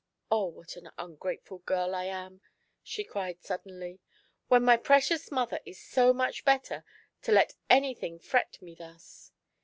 Oh, what an ungratefiil girl I am," she cried suddenly, " when my precious mother is so much better, to let anything fret me thus